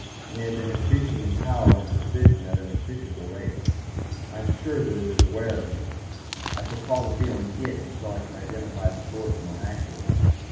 And they have been increasing in power and precision at an appreciable rate. I am sure that it is aware of me. I shall call the feeling "it" until I can identify the source more accurately.